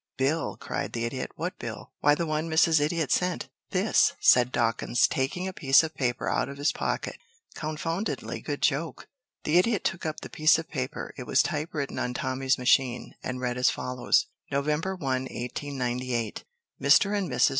"Bill," cried the Idiot. "What bill?" "Why, the one Mrs. Idiot sent this," said Dawkins, taking a piece of paper out of his pocket. "Confoundedly good joke." The Idiot took up the piece of paper. It was type written on Tommy's machine and read as follows: November 1 1898 MR. AND MRS.